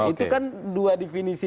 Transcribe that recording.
itu kan dua definisi